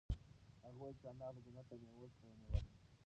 هغه وویل چې انار د جنت له مېوو څخه یوه مېوه ده.